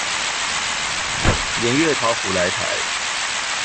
鹽月桃甫來台